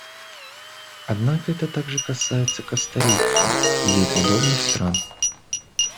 Однако это также касается Коста-Рики и ей подобных стран.